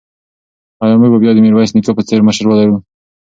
ایا موږ به بیا د میرویس نیکه په څېر مشر ولرو؟